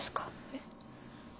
えっ？